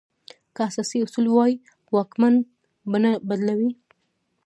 که اساسي اصول وای، واکمن به نه بدلولای.